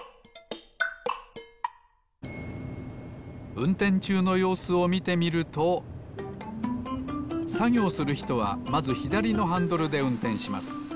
うんてんちゅうのようすをみてみるとさぎょうするひとはまずひだりのハンドルでうんてんします。